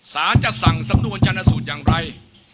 สารจะสั่งสำนวนจนสูตรอย่างไร